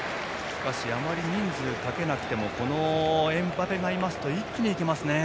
しかしあまり人数をかけなくてもエムバペがいますと一気にいけますね。